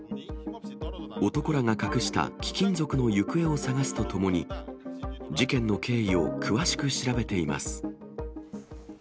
男らが隠した貴金属の行方を捜すとともに、事件の経緯を詳しく調べています。